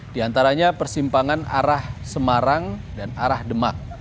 di antaranya persimpangan arah semarang dan arah demak